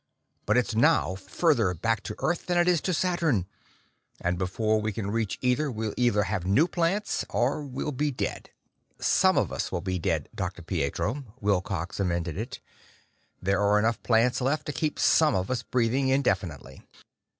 But it's now further back to Earth than it is to Saturn. And before we can reach either, we'll have new plants or we'll be dead!" "Some of us will be dead, Dr. Pietro," Wilcox amended it. "There are enough plants left to keep some of us breathing indefinitely."